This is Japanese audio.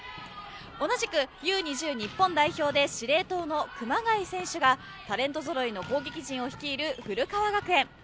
同じくＵ‐２０日本代表で司令塔の熊谷選手がタレント揃いの攻撃陣を率いる古川学園。